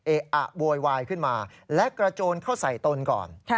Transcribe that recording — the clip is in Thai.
อะโวยวายขึ้นมาและกระโจนเข้าใส่ตนก่อน